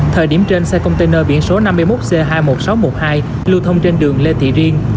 thời điểm trên xe container biển số năm mươi một c hai mươi một nghìn sáu trăm một mươi hai lưu thông trên đường lê thị riêng